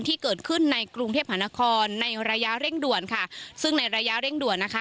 ที่เกิดขึ้นในกรุงเทพหานครในระยะเร่งด่วนค่ะซึ่งในระยะเร่งด่วนนะคะ